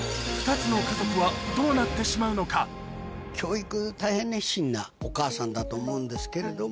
この後教育大変熱心なお母さんだと思うんですけれども。